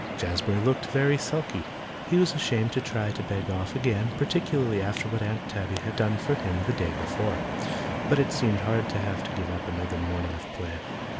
Jazbury looked very sulky. He was ashamed to try to beg off again, particularly after what Aunt Tabby had done for him the day before, but it seemed hard to have to give up another morning of play.